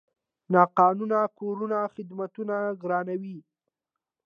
ناقانونه کورونه خدمتونه ګرانوي.